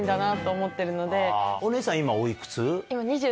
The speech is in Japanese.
お姉さん今おいくつ？